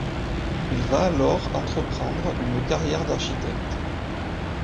Il va alors entreprendre une carrière d'architecte.